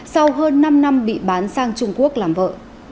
sau hơn năm năm bị bán sang trung quốc làm vợ